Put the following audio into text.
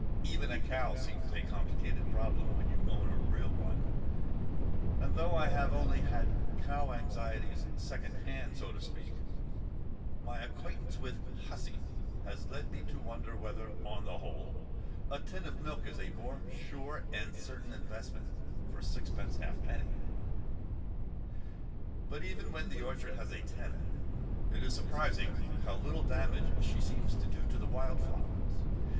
Even a cow seems a complicated problem when you own a real one; and though I have only had cow anxieties secondhand, so to speak, my acquaintance with "Hussy" has led me to wonder whether, on the whole, a tin of milk is a more sure and certain investment for sixpence halfpenny. But even when the orchard has a tenant, it is surprising how little damage she seems to do to the wild flowers.